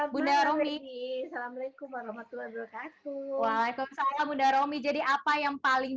bunda romini assalamualaikum warahmatullahi wabarakatuh waalaikumsalam bunda romi jadi apa yang paling